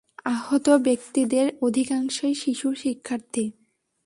আহত ব্যক্তিদের অধিকাংশই শিশু শিক্ষার্থী।